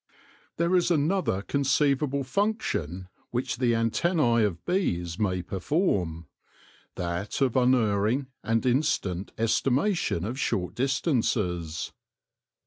There is another conceivable function which the antennae of bees may perform — that of unerring and instant estimation of short distances.